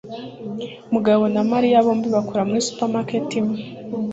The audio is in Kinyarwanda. Mugabo na Mariya bombi bakora muri supermarket imwe.